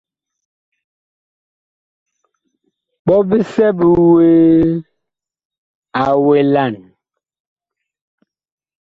Ɓɔ bisɛ bi wuee a welan.